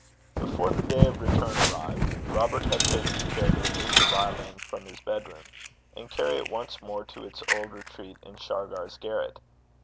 Before the day of return arrived, Robert had taken care to remove the violin from his bedroom, and carry it once more to its old retreat in Shargar's garret.